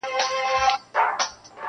د ملالۍ له پلوونو سره لوبي کوي-